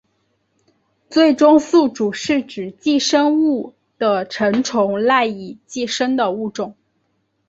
最终宿主是指寄生物的成虫赖以寄生的物种。